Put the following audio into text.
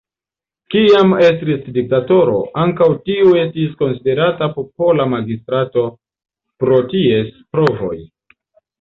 Kiam estris diktatoro, ankaŭ tiu estis konsiderata popola magistrato, pro ties povoj.